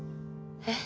えっ？